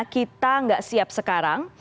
kita gak siap sekarang